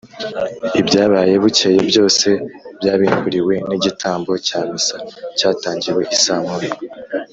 ibyabaye bukeye byose, byabimburiwe n’igitambo cya missa cyatangiye i saa moya,